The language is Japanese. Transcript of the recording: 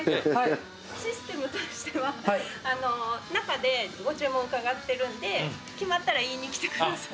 システムとしては中でご注文伺ってるんで決まったら言いにきてください。